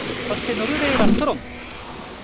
そしてノルウェーはストロン。